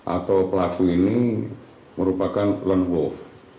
atau pelaku ini merupakan lundhoff